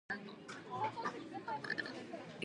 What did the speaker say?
His birthdate, education and patrons remain unknown.